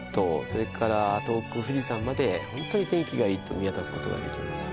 それから遠く富士山までホントに天気がいいと見渡すことができます